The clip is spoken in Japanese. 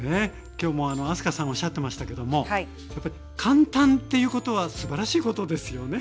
今日も明日香さんおっしゃってましたけどもやっぱり簡単っていうことはすばらしいことですよね。